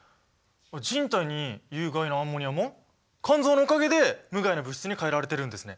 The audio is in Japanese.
人体に有害なアンモニアも肝臓のおかげで無害な物質に変えられてるんですね。